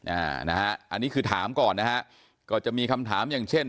อันนี้คือถามก่อนนะครับก็จะมีคำถามอย่างเช่น